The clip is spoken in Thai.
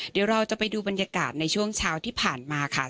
เดี๋ยวเราจะไปดูบรรยากาศในช่วงเช้าที่ผ่านมาค่ะ